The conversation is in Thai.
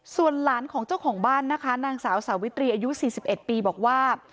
ส่วนหลานของเจ้าของบ้านนะคะนางสาวสาวิตรีอายุ๔๑ปีบอกว่า